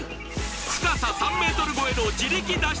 深さ３メートル超えの自力脱出